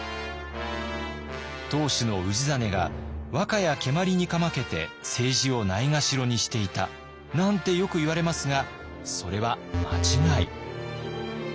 当主の氏真が和歌や蹴鞠にかまけて政治をないがしろにしていたなんてよくいわれますがそれは間違い。